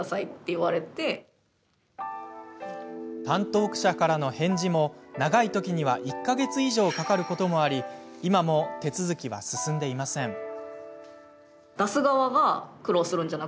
担当者からの返事も長いときには１か月以上かかることもあり今も手続きは進んでいません。